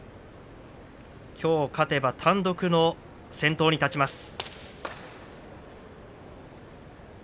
きょう勝てば単独の先頭に立ちます。